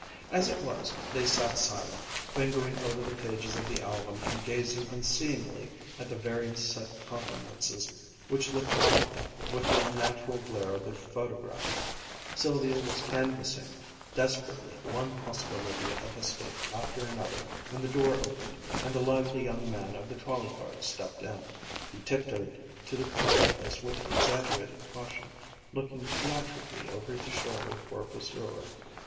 As it was, they sat silent, fingering over the pages of the album and gazing unseeingly at the various set countenances which looked out at them with the unnatural glare of the photographed. Sylvia was canvassing desperately one possibility of escape after another when the door opened, and the lively young man of the trolley car stepped in. He tiptoed to the fireplace with exaggerated caution, looking theatrically over his shoulder for a pursuer.